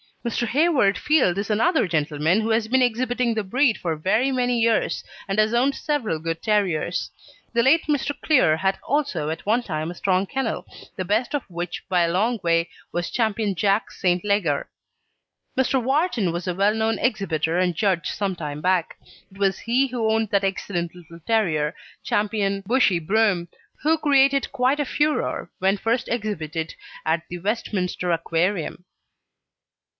Mr. Hayward Field is another gentleman who has been exhibiting the breed for very many years, and has owned several good terriers. The late Mr. Clear had also at one time a strong kennel, the best of which by a long way was Ch. Jack St. Leger. Mr. Wharton was a well known exhibitor and judge some time back. It was he who owned that excellent little terrier Ch. Bushey Broom, who created quite a furore when first exhibited at the Westminster Aquarium.